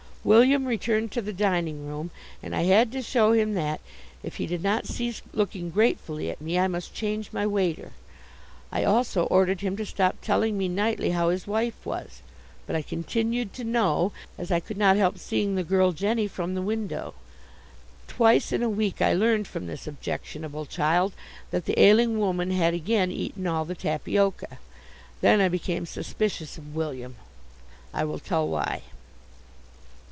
William returned to the dining room, and I had to show him that, if he did not cease looking gratefully at me, I must change my waiter. I also ordered him to stop telling me nightly how his wife was, but I continued to know, as I could not help seeing the girl Jenny from the window. Twice in a week I learned from this objectionable child that the ailing woman had again eaten all the tapioca. Then I became suspicious of William. I will tell why.